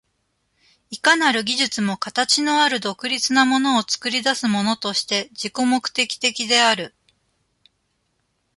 いかなる技術も形のある独立なものを作り出すものとして自己目的的である。